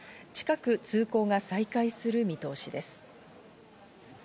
近く通行が再開する見通しです。